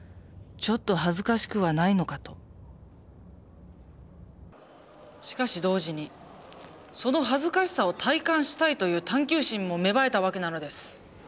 「ちょっと恥ずかしくはないのか」としかし同時にその恥ずかしさを体感したいという探究心も芽生えたわけなのです。